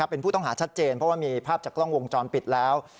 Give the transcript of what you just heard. เป็นผู้ต้องหาชัดเจนเพราะว่ามีภาพจากกล้องวงจรปิดแล้ว